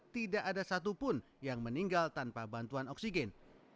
tidak ada satupun yang meninggal tanpa bantuan oksigen